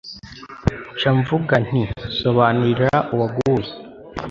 Nca mvuga nti Sobanurira uwaguye